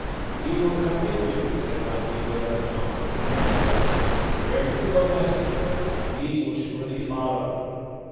"We will come with you," said Nodwengo and John, with one voice; "where you go, Messenger, we will surely follow."